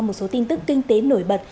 một số tin tức kinh tế nổi bật